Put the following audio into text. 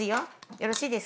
よろしいですか？